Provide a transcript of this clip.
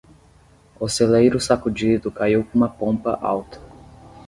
O celeiro sacudido caiu com uma pompa alta.